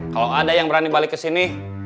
kalau ada yang berani balik kesini